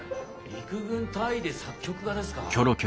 陸軍大尉で作曲家ですか？